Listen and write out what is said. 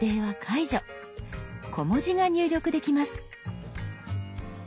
小文字が入力できます。